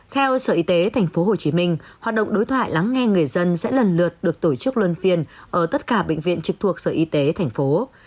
theo sở y tế tp hcm hoạt động đối thoại lắng nghe người dân sẽ lần lượt được tổ chức luân phiên ở tất cả bệnh viện trực thuộc sở y tế thành phố